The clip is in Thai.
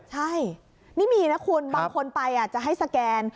ใช่นี่มีนะคุณบางคนไปจะให้สแกน